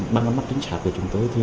bằng mặt chính xác của chúng tôi